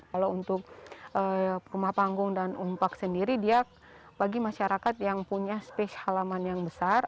kalau untuk rumah panggung dan umpak sendiri dia bagi masyarakat yang punya space halaman yang besar